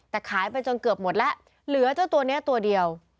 แต่ขายไปจนเกือบหมดแล้วเหลือเจ้าตัวนี้ตัวเดียว